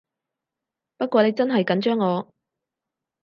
不過你真係緊張我